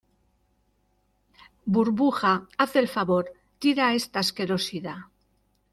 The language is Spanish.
burbuja, haz el favor , tira esta asquerosidad